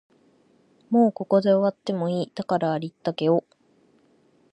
もうここで終わってもいい、だからありったけを